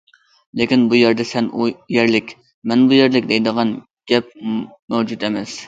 لېكىن بۇ يەردە سەن ئۇ يەرلىك، مەن بۇ يەرلىك، دەيدىغان گەپ مەۋجۇت ئەمەس.